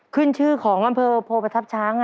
ขึ้นชื่อของอำเภอโพประทับช้าง